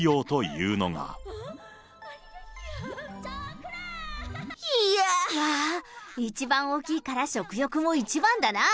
うわぁ、一番大きいから食欲も一番だなぁ。